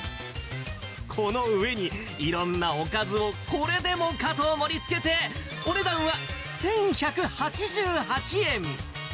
この上に、いろんなおかずをこれでもかと盛りつけて、お値段は１１８８円。